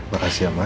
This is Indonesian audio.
makasih ya ma